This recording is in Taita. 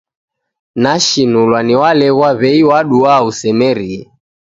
Nashinulwa ni Waleghwa w'ei waduaa usemerie.